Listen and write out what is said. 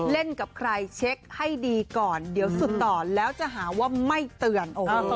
กับใครเช็คให้ดีก่อนเดี๋ยวสุดต่อแล้วจะหาว่าไม่เตือน